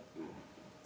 xin mời quý vị